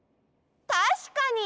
たしかに！